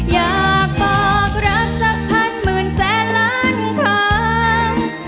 อยากบอกรักสักพันหมื่นแสนล้านครั้ง